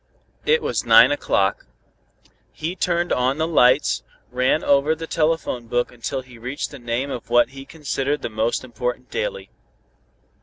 It was nine o'clock. He turned on the lights, ran over the telephone book until he reached the name of what he considered the most important daily.